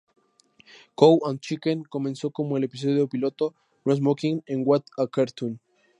Cow and Chicken comenzó como el episodio piloto "No Smoking" en "What a Cartoon!